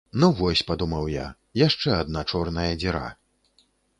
Ну вось, падумаў я, яшчэ адна чорная дзіра.